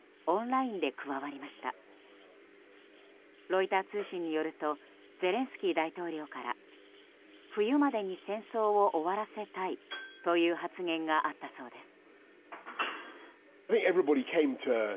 ロイター通信によるとゼレンスキー大統領から冬までに戦争を終わらせたいという発言があったそうです。